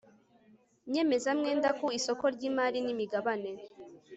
nyemezamwenda ku isoko ry imari n imigabane